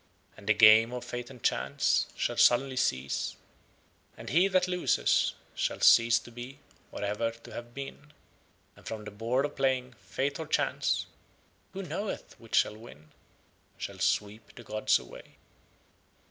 And the game of Fate and Chance shall suddenly cease and He that loses shall cease to be or ever to have been, and from the board of playing Fate or Chance (who knoweth which shall win?) shall sweep the gods away.